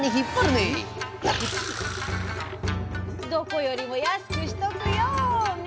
どこよりも安くしとくよ！ねえいいだろ。